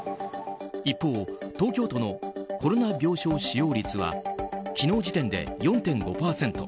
一方、東京都のコロナ病床使用率は昨日時点で４．５％。